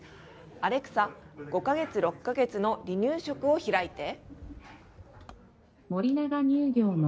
アレクサ、５か月、６か月の離乳食を開いて。